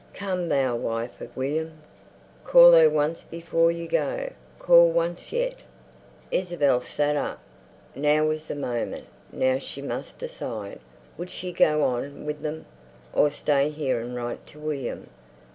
"Come, thou wife of William!" "Call her once before you go, call once yet!" Isabel sat up. Now was the moment, now she must decide. Would she go with them, or stay here and write to William.